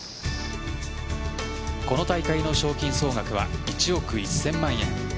この大会の賞金総額は１億１０００万円。